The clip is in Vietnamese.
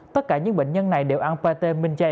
tất cả những bệnh nhân này đều ăn pate minh chay